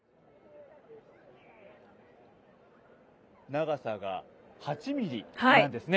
長さが８ｍｍなんですね。